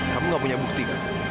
kamu nggak punya bukti kan